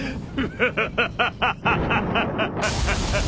ハハハハハ。